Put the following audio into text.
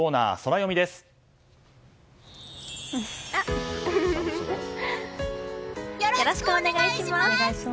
よろしくお願いします！